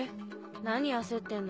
何焦ってんの？